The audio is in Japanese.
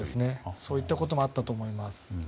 そういったこともあったと思います。